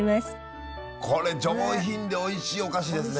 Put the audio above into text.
これ上品でおいしいお菓子ですね。